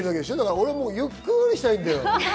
俺はゆっくりしたいの。